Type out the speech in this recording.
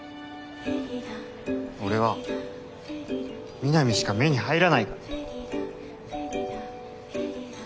俺はミナミしか目に入らないから。